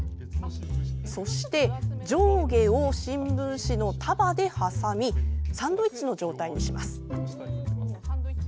そして、上下を新聞紙の束で挟みサンドイッチの状態にします。